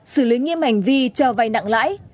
xử lý nghiêm hành vi cho vay nặng lãi